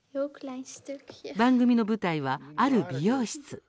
番組の舞台は、ある美容室。